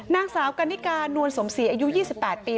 นางสาวกันนิกานวลสมศรีอายุ๒๘ปี